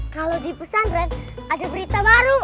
kalau di pesan ren ada berita baru